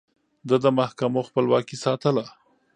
ده د محکمو خپلواکي ساتله.